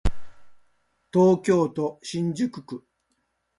東京都新宿区